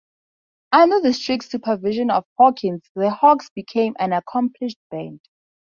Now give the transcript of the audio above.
Under the strict supervision of Hawkins, the Hawks became an accomplished band.